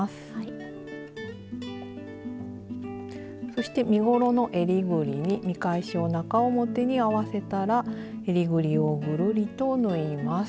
そして身ごろのえりぐりに見返しを中表に合わせたらえりぐりをぐるりと縫います。